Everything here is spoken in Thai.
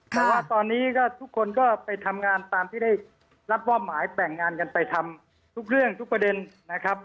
แต่ว่าตอนนี้ก็ทุกคนก็ไปทำงานตามที่ได้รับมอบหมายแบ่งงานกันไปทำทุกเรื่องทุกประเด็นนะครับ